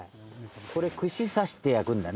これ串刺して焼くんだね。